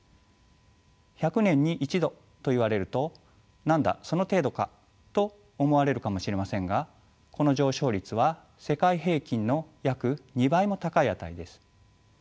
１００年に１℃といわれると何だその程度かと思われるかもしれませんがこの上昇率は世界平均の約２倍も高い値です。